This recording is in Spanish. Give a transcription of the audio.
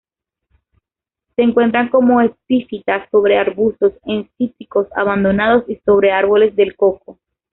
Se encuentran como epífitas sobre arbustos, en cítricos abandonados, y sobre árboles del coco.